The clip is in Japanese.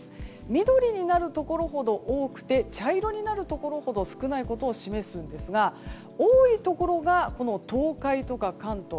緑になるところほど多くて茶色になるところほど少ないことを示すんですが多いところがこの東海とか関東